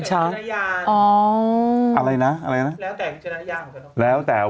ใช้คำนั้นได้หรือ